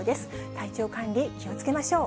体調管理、気をつけましょう。